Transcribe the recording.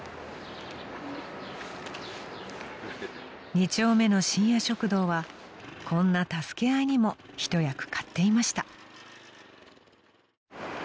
［二丁目の深夜食堂はこんな助け合いにも一役買っていました］